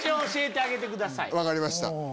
分かりました。